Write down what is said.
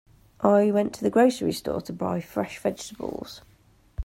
I went to the grocery store to buy fresh vegetables.